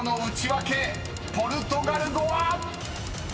［ポルトガル語は⁉］